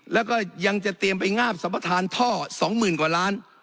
แล้วก็ยังจะเตรียมไปงาบสัมปทานท่อ๒๐๐๐กว่าล้าน